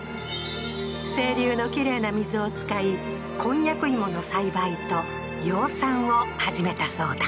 清流のきれいな水を使いこんにゃく芋の栽培と養蚕を始めたそうだ。